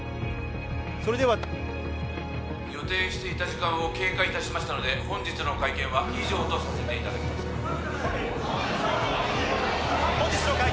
それでは予定していた時間を経過いたしましたので本日の会見は以上とさせていただきます総理！